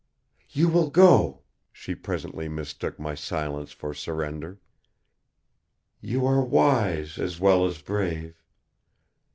"You will go," she presently mistook my silence for surrender. "You are wise as well as brave.